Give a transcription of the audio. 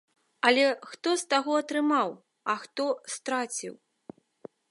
Але хто з таго атрымаў, а хто страціў?